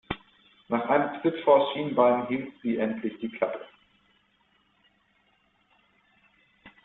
Nach einem Tritt vors Schienbein hielt sie endlich die Klappe.